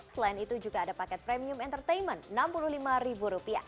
selain itu juga ada paket premium entertainment rp enam puluh lima